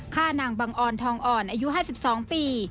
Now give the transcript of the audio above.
ฆ่านางบังออนทองอ่อนอายุ๕๒ปี